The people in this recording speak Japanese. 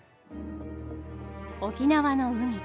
沖縄の海